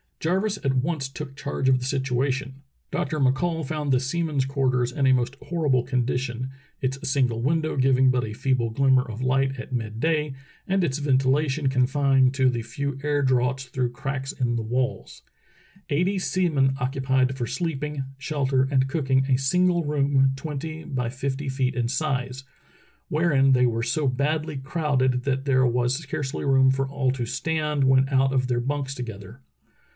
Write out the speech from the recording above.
Jarvis at once took charge of the situation. Dr. McCall found the seamen's quarters in a most horrible condition, its single window giving but a feeble glimmer of light at mid day, and its ventilation confined to the 290 True Tales of Arctic Heroism few air draughts through cracks in the walls. Eighty sea men occupied for sleeping, shelter, and cooking a single room twenty by fifty feet in size, wherein they were so badly crowded that there was scarcely room for all to stand when out of their bunks together.